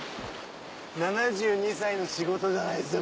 ７２歳の仕事じゃないですよ